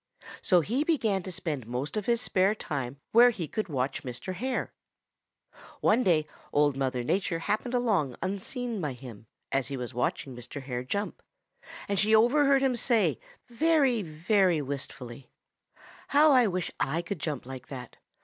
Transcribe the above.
So he began to spend most of his spare time where he could watch Mr. Hare. One day Old Mother Nature happened along unseen by him, as he was watching Mr. Hare jump, and she overheard him say very, very wistfully, 'How I wish I could jump like that!